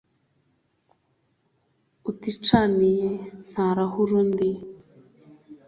uticaniye ntarahurira undi.